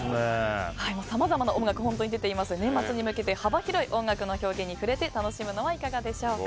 さまざまな音楽が本当に出ていますが年末に向けて幅広い音楽の表現に触れて楽しむのはいかがでしょうか。